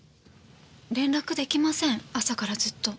連絡出来ません朝からずっと。